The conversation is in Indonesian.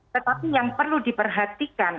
tetapi yang perlu diperhatikan